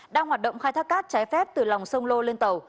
đang hoạt động khai thác cát trái phép từ lòng sông lô lên tàu